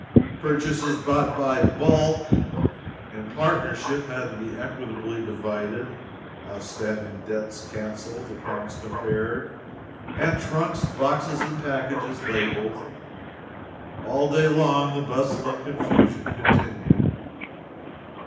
Purchases bought by bulk in partnership had to be equitably divided, outstanding debts canceled, accounts compared, and trunks, boxes and packages labeled. All day long the bustle and confusion continued.